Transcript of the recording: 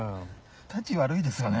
たち悪いですよね。